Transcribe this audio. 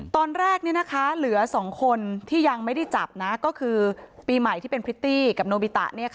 ตอนแรกเนี่ยนะคะเหลือสองคนที่ยังไม่ได้จับนะก็คือปีใหม่ที่เป็นพริตตี้กับโนบิตะเนี่ยค่ะ